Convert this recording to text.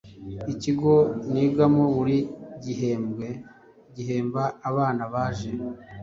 Ikigo nigamo buri gihembwe gihemba abana baje